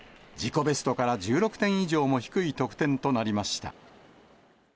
自己ベストから１６点以上も低い得点となりました。